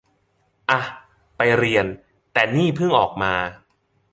อ่ะ ไปเรียน แต่นี่เพิ่งออกมา